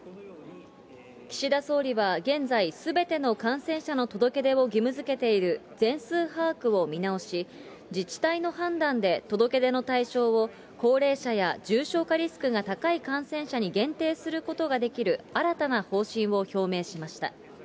岸田総理は、現在、すべての感染者の届け出を義務づけている全数把握を見直し、自治体の判断で届け出の対象を高齢者や重症化リスクが高い感染者に限定することができる新たな方針を表明しました。